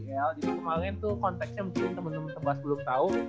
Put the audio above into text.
jadi kemarin tuh konteksnya mungkin temen temen terbahas belum tau